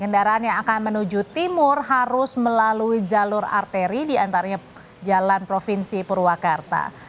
kendaraan yang akan menuju timur harus melalui jalur arteri diantaranya jalan provinsi purwakarta